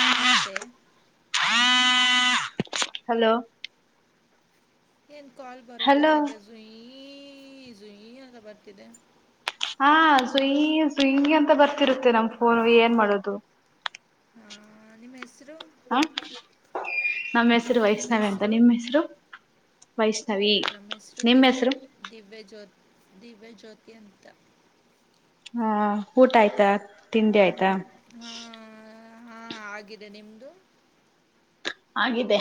ನಮಸ್ತೆ hello A call ಬರೋ ತರ ಹಲೋ ಇದೆಝುಯಿ ಈ ಜುಯಿ ಹ ಕ ಬಾರತಿದೆ ಹಾ ಸವಿಂಗ ಸವಿಂಗ ಅಂತ ಬರ್ತಿರುತ್ತೆ ನಮ ಫೋನ್ ಏನ್ ಮಾಡೋದು ಹಾ ನಿಮ ಹಾ ನಮ್ಮ ಹೆಸರು ನಿಮ್ಮ ವೈಷ್ಣವ ಅಂತ ಹೆಸರು ನಿಮ್ಮ್ ಹೆಸರು ವೈಷ್ಣವಿ ನಿಮ್ಮ್ ಹೆಸರು ದಿವ್ಯಜ್ಯೋತಿ ಅಂತ ಹಾ ಊಟ ಆಯ್ತಾ ತಿಂಡಿ ಆಯ್ತಾ ಹಾ ಆಗಿದೆ ನಿಮ್ದು ಹಾಗಿದೆ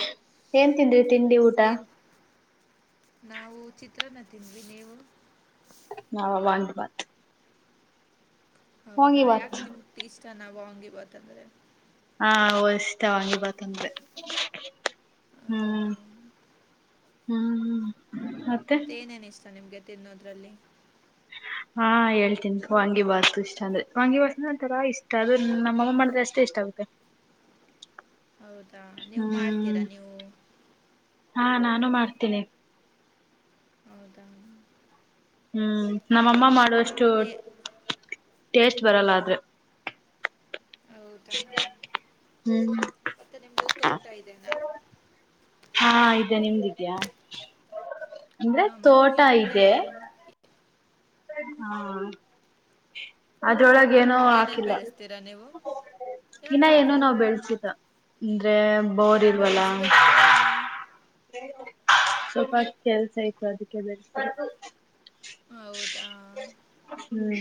ಏನ್ ತಿಿಂದ್ವಿ ತಿಂಡಿ ಊಟ ಏನು ನಾವು ಚಿತ್ರನ ತಿಂದ್ವಿ ನೀವು ನಾವ್ ವಾಂಗಿ ಬಾತ್ ಹೌದಾ ಯಾಕ ನಿಮಗ ಇಷ್ಟ ನಾ ವಾಂಗಿ ಬಾತ್ತಂದ್ರೆ ಹಾ ಇಷ್ಟ ವಾಂಗಿ ಬತಂದ್ರೆ ಹ್ಮ್ ಹೌದಾ ಹ್ಮ್ ಮತ್ತೆ ಏನೇನಿಸ್ ನಿಮ್ಗೆ ತಿನ್ನೋದ್ರಲ್ಲಿ ಹಾ ಹೇಳ್ತೇನ್ಿ ವಾಂಗಿ ಬಾಸ್ತು ಇಷ್ಟ ಅಂದ್ರೆ ವಾಂಗಿ ಬಾಸ್ ಅಂತರ ಇಷ್ಟ ಅದು ನಮ್ಮಅಮ್ಮ ಮಾಡಿದ್ರೆ ಅಷ್ಟೇ ಇಷ್ಟ ಆಗುತ್ತೆ ಹೌದಾ ನೀವು ಹ್ಮ್ ಮಾಡ್ತೀರಾ ನೀವು ಹಾ ನಾನು ಮಾಡ್ತೇನೆಿ ಹೌದ ಹ್ಮ್ ನಮ್ಮಮ್ಮ ಮಾಡುವ ಅಷ್ಟ ಏ ಟೇಸ್ಟ್ ಬರಲ್ಲ ಆದ್ರೆ ಹೌದಾ ಹ್ಮ್ ಮತ್ತೆ ನಿಮ್ದು ತೋಟ ಇದೆನಾ ಹಾ ಇದ್ಯಾ ನಿಮ್ದಿದ್ಯಾ ಅಂದ್ರೆ ತೋಟ ಇದೆ ಹಾ ಅ ಅೊಳಗ ಏನೋ ಏನೇನ್ ಹಾಕಿಲ್ಲ ಬೆಳೆಸ್ತೀರಾ ನೀವು ದಿನ ಯಾಕೆ ಏನೋ ಹಾಕಿಲ್ಲ ನಾವ್ ಬೆಳ್ಸಿದ ಅಂದ್ರೆ ಬೋರ್ ಇಲ್ವಲ್ಲ ಬೆಳೆಸ್ಬೇಕು ತಾನೇ ಸ್ವಲ್ಪ ಕೆಲ್ಸ ಈಯ್ತು ಅದಕ್ಕೆ ಬೆಳಸಿಲ್ಲಾ ಹೌದಾ ಹ್ಮ್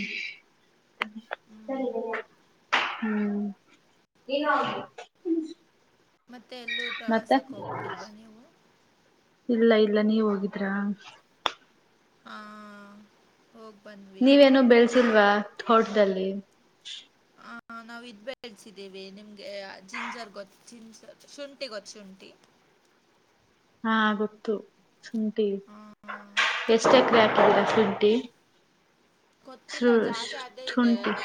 ಸರಿ ಹ್ಮ್. ಸ ಹ್ಮ್ ಏನು ಮತ್ತೆ ಎಲ್ಲೂ ಪ್ರವಾಸಕ್ಕೆ ಹೋಗೋಗಿಲ್ವಾ ನೀವು ಇಲ್ಲ ಇಲ್ಲ ನೀವ್ ಹೋಗಿದ್ರಾ? ಹ ನೀವೇನು ಬೆಳಸಿಲ್ವಾ ಥೋಟದಲ್ಲಿ ಹ ನಾವು ಇದ ಬೆಳ್ಸಿದ್ದೀವಿ ನಿಮ್ಗೆ ಜಿಂಜರ್ ಗೊತ್ ಜಿಂಜರ್ ಶುಂಠಿ ಗೊತ್ತ ಶುಂಠಿ ಹಾಂ ಗೊತ್ತು. ಶುಂಠಿ ಆ, ಎಷ್ಟು ಆ, ಎಕರೆ ಹಾಕಿದೀರಾ ಶುಂ ಟಿ ಗೊತ್ತಿಲ್ಲ ಶು ಜಾಸ್ತಿ ಅದೇ ಇದೆ ಶುಂಠಿ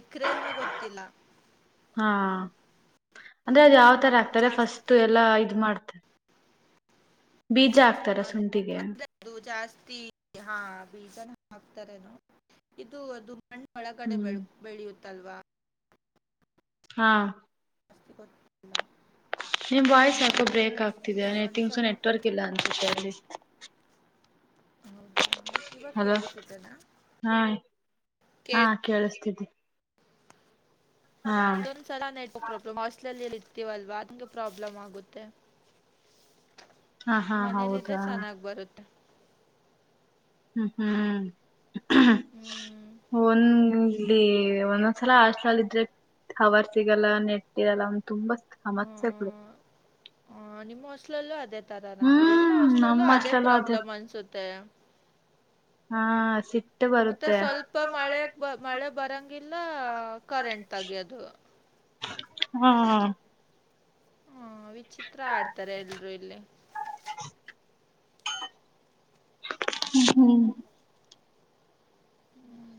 ಇಕ್ರೆಲ್ಲ ಗೊತ್ತಿಲ್ಲ ಹಾ ಅಂದ್ರೆ ಅದು ಯಾವ ತರ ಬಟ್ ಆಗ್ತಾರೆ ಫಸ್ಟ್ ಜಾಸ್ತಿ ಎಲ್ಲಾ ಇದು ಮಾಡ್ತಾರೆ ಬೀಜ ಹಾಕ್ತಾರ ನಾನು ಶುಂಠಿಗೆ [unintelligible] ಜಾಸ್ತಿ ಹಾ ಬೀಜ ಹಾಕ್ತಾರೇನೊ ಇದು ಅದು ಹಣ್ಣ ಒಳಗಡೆ ಬೆಳ ಹ್ಮ್ ಬೆಳೆಯುತ್ ತಲ್ವಾ ಹಾಂ [unintelligible] ನಿಮ್ ವಾಯ್ಸ್ ಯಾಕೋ ಬ್ರೇಕ್ ಆಗ್ ತಿಗ ನಾನು ನೆಟ್ಟಿಂಗ್ಸ್ ಒಂದ್ಸಲ ನೆಟ್ವರ್ಕ್ ಇಲ್ಲ ಅನ್ಸುತ್ತೆ ಅಲ್ಲಿ ಹೌದಾ ಇವಾಗ ಅಲೋ ಕೇಳಿಸಿದನಾ ಹಾ ಹಾ ಕೇಳಿ ಕೇಳಿಸ್ತಿದ್ದಿ ಹಾ ಅದೊಂದ ಸಲ ನೆಟ್ವರ್ಕ್ ಪ್ರಾಬ್ಲ್ ಹಾಸ್ಟೆಲ್ ಹೇಳಿದ್ ಇರ್ತಿವಲ್ವಾ ಅದುಕು ಪ್ರಾಬ್ಲಮ್ ಆಗುತ್ತೆ ಹಾ ಹಾ ಮನೇಲಿದ್ರೆ ಹೌದಾ ಚೆನಾಗ್ ಬರುತ್ತೆ. ಹ್ಮ್ ಹ್ಮ್ ಹ್ಮ್ ಒಂದ್ ಇಲ್ಲಿ ಒಂದೊಂದ್ಸಲ ಹಾಸ್ಟೆಲ್ಲ್ ಇದ್ರೆ ಕವರ್ಸ್ ಸಿಗಲ್ಲ ನೆಟ್ ಇರಲ್ಲ ಒನ್ ತುಂಬಾ ಸಮಸ್ಯೆಗಳು ಹ್ಮ್ ನಿಮ್ ಹಾಸ್ಟಲ್ ಲೂ ಅದೇ ತರನ ಹ್ಮ್ ಎಲ್ಲ ನಮ್ಮ ಅದೇ ಹಾಸ್ಟೆಲ್ ಪ್ರಬ್ಲಮ್ ಅನ್ಸುತ್ತೆ ಹಾ ಸಿಟ್ಟು ಮತ್ತೆ ಬರುತ್ತೆ. ಸಲ್ಪ ಮಳೆ ಬರಂಗ್ ಎಲ್ಲಾ ಕರೆಂಟ್ ಆಗಿ ಅದು ಹ್ಮ ಹ್ಮ ವಿಚಿತ್ರ ಆಡ್ತಾರೆ ಎಲ್ರು ಇಲ್ಲಿ. ಹ್ಮ ಹ್ಮ್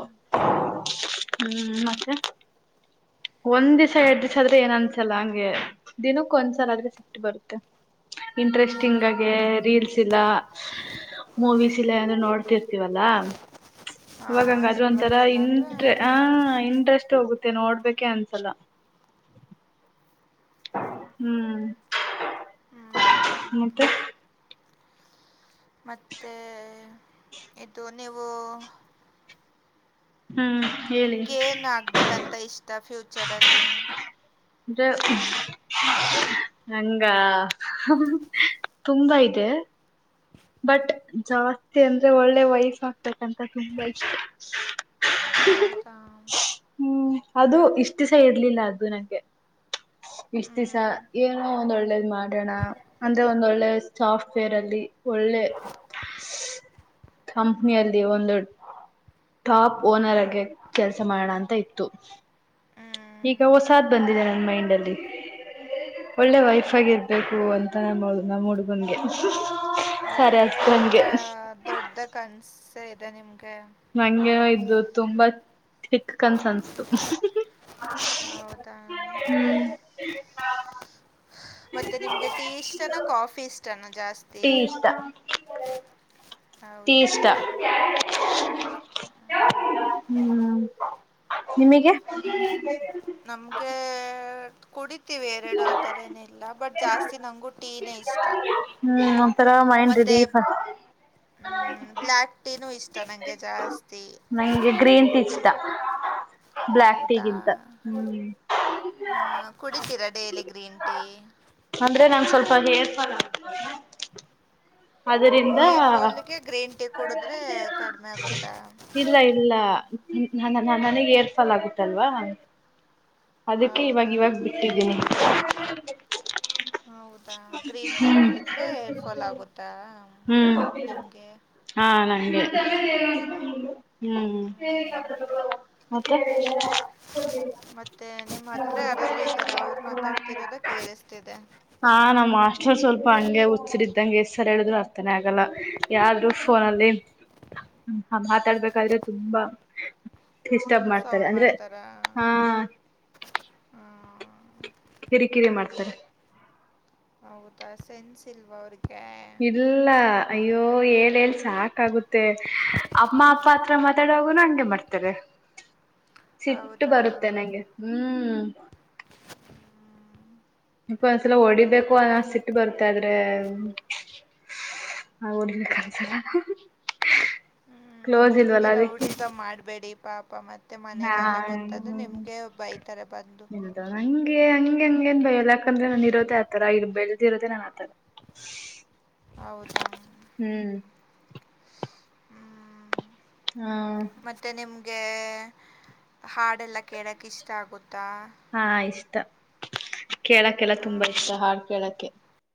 [inaudible] ಹ್ಮ್ ಮತ್ತೆ ಒಂದಿಸ್ ಏರಡುದಿವಸದ್ರು ಏನ್ ಅನ್ಸಲ್ಲ, ಹಂಗ್ ಹಾಗೆ, ದಿನಕ್ ಒಂದ್ಸಲ ಆದ್ರೆ ಸಿಟ್ ಬರುತ್ತೆ. ಇಂಟ್ರೆಸ್ಟಿಂಗ್ ಹ್ಮ್ ಆಗೆ ರೀಲ್ಸ್ ಇಲ್ಲ, ಮೂವೀಸ್. ಇಲ್ಲ ಅಂದ್ರೆ ನೋಡ್ತಿರ್ತೀವಲ್ಲ. ಹಾ ಅವಾಗಂಗ ಅದ್ರೊಂರ ನೆಟ್ವರ್ಕ್ ಇಲ್ಲಾಂದ್ರೆ ಇಂಟ್ರೆ ಆ ಇಂಟ್ರೆಸ್ಟ್ ಹೋಗುತ್ ಮತ್ತೆ ನೋಡ್ಬೇಕೇ ಅನ್ಸಲ್ಲ. ಹ್ಮ್ ಹ್ಮ್ ಮತ್ತೆ ಮತ್ತೆ ಇದು ನೀವು ಹ್ಮ್ ಹೇಳಿ ನಿಮ್ಗೆ ಏನ್ ಆಗ್ಬೇಕಂತ ಇಷ್ಟ ಫ್ಯೂ ಚರಲ್ಲಿ ಜ [unintelligible] ನಂಗಾ ತುಂಬಾ ಇದೆ ಬಟ್ ಜಾಸ್ತಿ ಅಂದ್ರೆ ಒಳ್ಳೆ ವೈಫ್ ಆಗಬೇಕಂತ ತುಂಬಾ ಇಷ್ಟ. ಹ್ಮ್ ಅದು ಇಷ್ಟ ತಿಿಸಹ [unintelligible] ಇರ್ಲಿಲ್ಲ ಅದು ನಂಗೆ ಇಷ್ಟ ಹ್ಮ್ ದಿಸ ಏನೋ ಒಂದಳ್ಳೇದ್ ಮಾಡೋಣ ಅಂದ್ರೆ ಒಂದೊಳ್ಳೆದು ಸಾಫ್ಟ್ವೇರ್ ಅಲ್ಲಿ ಒಳ್ಳೆ ಕಂಪ್ನಿಯಲ್ಲಿ ಒಂದು ಟಾಪ್ ಓನರ್ ಆಗಿ ಕೆಲಸ ಮಾಡೋಣ ಅಂತ ಇತ್ತು. ಈಗ ಹೊಸಾದ್ ಬಂದಿದೆ ನನ್ ಮೈಂಡ್ ಅಲ್ಲಿ ಒಳ್ಳೆ ಹೌದಾ ವೈಫಗಿರಬೇಕು ಅಂತ. ದು ನಮ್ಮ ಹುಡುಗನ್ಗೆ ತುಂಬಾ ದೊಡ್ದ ಕನ್ಸ್ ಇ [unintelligible] ನಿಮ್ ನಂಗೆ ಇದು ತುಂಬಾ ಚಿಕ್ಕಕನಸನ್ನುಸ್ತು, ಹೌದಾ ಹ್ಮ್ ಹಾ ಮತ್ತೆ ನಿಮ್ಗೆ ಟೀ ಇಷ್ಟನ, ಕಾಫಿ ಇಷ್ಟನಾ? ಜಾಸ್ತಿ ಟೀ ಇಷ್ಟ. ಹೌದಾ ಹ್ಮ್ ನಿಮಿಗೆ ನಮ್ಗೆ ಕೊಡಿ ಇ ಎರಡು ಆತರನ ಇಲ್ಲ ಬಟ್ ಜಾಸ್ತಿ ನಂಗು ಟೀನೇ ಇಷ್ಟ, ಹ್ಮ್ ಒಂಥರ ಮೈಂಡ್ ಮತ್ತೆ ರಿಲೀಫ್ ಹ್ಮ ಬ್ಲ್ಯಾಕ್ ಟೀನು ಇಷ್ಟ. ತ ನಂಗೆ ಜಾಸ್ತಿ ನಂಗೆ [unintelligible] ಹೌದಾ ಟೀಗಿಂತ ಹ್ಮ್ ಹ ಕುಡಿತೀರಾ ಡೇಲಿ ಗ್ರೀನ್ ಟೀ ಹೌದು ಹೇರ್ ಫಾಲ್ ಆಗುತ್ ಹೇರ್ ಫಾಲ್ಗೆ ಗ್ರೀನ್ ಟಿ ಕುಡುದ್ರೆ ಕಡಿಮೆ ಆಗುತ್ತಾ ನನ್ನ ನ ನನಗ್ ಹೇರ್ ಫಾಲ್ ಆಗುತ್ತಲ್ವಾ? ಅದಕ್ಕೆ ಇವಾಗ ಹೌದಾ ಇವಾಗ ಬಿಟ್ಟಿದ್ದೀನಿ. [unintelligible] ಹೌದಾ ಗ್ರೀನ್ ಟೀ ಕುಡಿದ್ರೆ ಹೇರ್ ಫಾಲ್ ಆಗುತ್ತಾ ಹ್ಮ್ ನಿಮಗೆ? ಹಾ ನಂಗೆ ಹ್ಮ್ ಹ್ಮ್ ಮತ್ತೆ ನಿಮ್ಮ್ ಹತ್ರ ಯಾರಾದ್ರರು ಇದ್ದಾರ ಅವರು ಮಾತಾಡ್ತಿರೋದ ಕಏೇಳಸ್ತಿದೆ ಹಾಂ ನಮ್ ಮಾಸ್ಟರ್ ಸ್ವಲ್ಪ ಹಂಗೆ ಹುಚ್ಚರಿದ್ದಂಗ ಎಷ್ಟ್ ಸಲ ಹೇಳಿದ್ರು ಅರ್ಥನೇ ಆಗಲ್ಲ ಯಾರ್ರರು ಫೋನಲ್ಲಿ ಮಾತಾಡ್ಬೇಕಾದ್ರೆ ತುಂಬಾ ಡಿಸ್ಟರ್ಬ್ ಮಾಡ್ತಾರೆ ಸೌಂಡ್ ಅಂದ್ರೆ ಮಾಡ್ತಾರಾ? ಹಾ ಹ್ಮ ಕಿರಿಕಿರಿ ಮಾಡ್ತಾರೆ ಹೌದಾ ಸೆನ್ಸ್ ಇಲ್ವಾ ಅವ್ರಿಗೆ ಇಲ್ಲ ಅಯ್ಯೋ ಏಲ್ ಸಾಕಾಗುತ್ತೆ ಅಮ್ಮ ಅಪ್ಪ ಹತ್ರ ಮಾತಾಡುವಾಗುನು ಹಂಗೆ ಮಾಡ್ತಾರೆ ಸಿಟ್ಟು ಹೌದಾ ಬರುತ್ತೆ ನಂಗೆ. ಹ್ಮ್ ಇ ಒಂದ್ಸಲ ಹೊಡಿಬೇಕು ಸಿಟ್ ಬರುತ್ತೆ, ಆದ್ರೆ ಆ ಹೊಡಿಬೇಕಂದಸಲ ಹ್ಮ್ ಬಿಡಿ ರೌಡಿಸಂ ಮಾಡ್ಬೇಡಿ ಪಾಪ ಮತ್ತೆ ನಾ ಮನೇಲೆಲ್ಲ ಗೊತ್ತಾದ್ರೆ ನಿಮ್ಗೆ ಬೈತಾರೆ ಬಂದು ಕ ಯಾಕಂದ್ರೆ ನಾನ ಇರೋದೆೇ ಆತರ ಇಲ್ಲಿ ಬೆಳೆದಿರೋದೆೆ ನಾನನ್ ಆತರ ಹೌದಾ ಹ್ಮ್ ಹ್ಮ್ ಹಾ ಮತ್ತೆ ನಿಮಗೆ ಹಾಡೆಲ್ಲ ಕೇಳಕ ಇಷ್ಟ ಆಗುತ್ತೆ ಹಾ ಇಷ್ಟ ಕೇಳಕ್ಕೆಲ್ಲ ತುಂಬಾ ಇಷ್ಟ ಹ್ಮ್ ಹಾಡ್ ಕೇಳಕ್ಕೆ